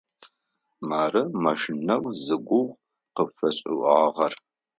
Мары машинэу зигугъу къыпфэсшӏыгъагъэр.